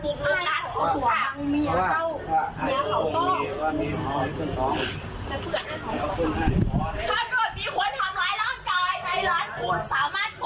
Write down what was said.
ถ้าเกิดมีคนทำร้ายร่างกายในร้านคุณ